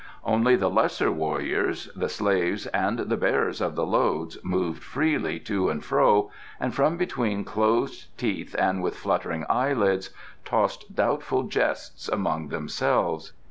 Only the lesser warriors, the slaves and the bearers of the loads moved freely to and fro and from between closed teeth and with fluttering eyelids tossed doubtful jests among themselves.